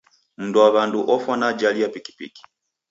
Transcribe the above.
Mnduwaw'andu ofwa na ajali ya pikipiki.